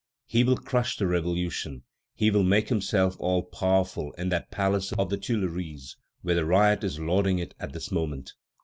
He will crush the Revolution, he will made himself all powerful in that palace of the Tuileries where the riot is lording it at this moment!